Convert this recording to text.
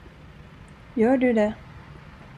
Gör du det?